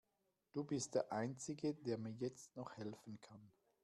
Du bist der einzige, der mir jetzt noch helfen kann.